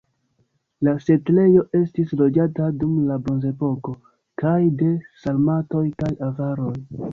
La setlejo estis loĝata dum la bronzepoko kaj de sarmatoj kaj avaroj.